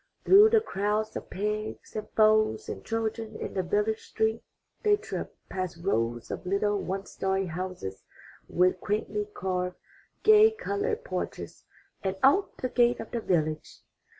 Through the crowds of pigs, and fowls, and children in the village street they tripped, past rows of little one story houses with quaintly carved, gay colored porches, and out the gate of the village.